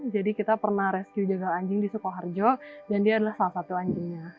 jadi kita pernah rescue jagal anjing di sukoharjo dan dia adalah salah satu anjingnya